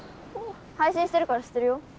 配信してるから知ってるよ。